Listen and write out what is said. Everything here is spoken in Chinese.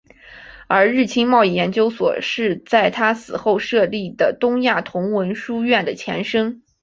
而日清贸易研究所是在他死后设立的东亚同文书院的前身。